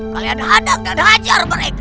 kalian hadang dan hajar mereka